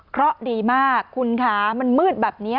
เพราะดีมากคุณคะมันมืดแบบนี้